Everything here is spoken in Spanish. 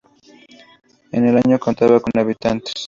En el año contaba con habitantes.